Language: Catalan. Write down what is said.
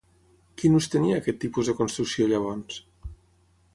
Quin ús tenia aquest tipus de construcció, llavors?